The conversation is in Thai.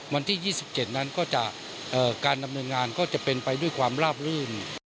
วันที่๒๗นั้นก็จะการดำเนินงานก็จะเป็นไปด้วยความลาบลื่น